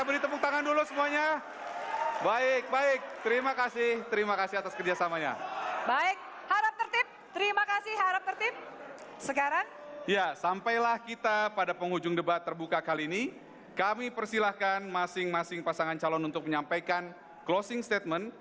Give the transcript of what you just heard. dengan pembahasan yang terakhir